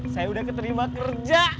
saya udah keterima kerja